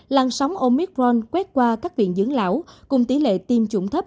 làn sóng omicron quét qua các viện dưỡng lão cùng tỷ lệ tiêm chủng thấp